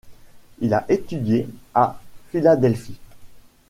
Il a étudié à Philadelphie.